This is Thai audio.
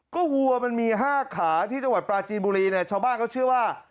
ก็วัวมันมี๕ขาที่จังหวัดปลาจีนบุรีเนี่ยชาวบ้านเขาเชื่อว่า